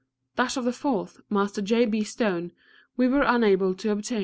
That of the fourth, Master J. B. Stone, we were unable to obtain.